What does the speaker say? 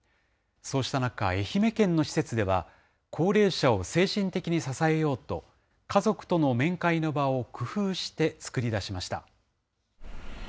そうした中、愛媛県の施設では高齢者を精神的に支えようと、家族との面会の場を工夫して作り出しました。